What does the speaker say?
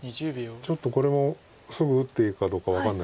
ちょっとこれもすぐ打っていいかどうか分かんないですけど。